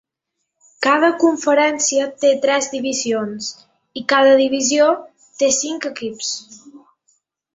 Cada conferència té tres divisions, i cada divisió té cinc equips.